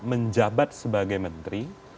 menjabat sebagai menteri